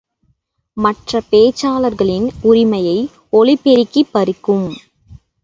மற்றப் பேச்சாளர்களின் உரிமையை ஒலி பெருக்கி பறிக்கும்.